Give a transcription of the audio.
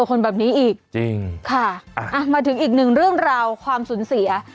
ครับอะมาถึงอีกหนึ่งเรื่องราวความสุลสี